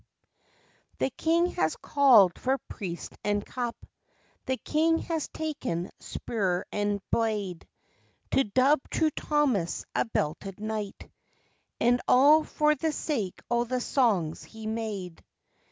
The King has called for priest and cup, The King has taken spur and blade To dub True Thomas a belted knight, And all for the sake o' the songs he made.